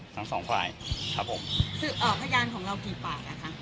ทั้งสองภายครับผมคืออ่าพยายามของเรากี่ป่าวล่ะคะ